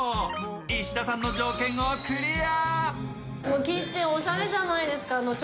石田さんの条件をクリア！